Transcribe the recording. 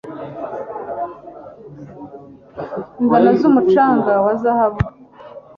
Ingano zumucanga wa zahabu